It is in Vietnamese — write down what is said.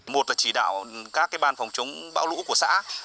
một là chỉ đạo các ban phòng chống bão lũ của xã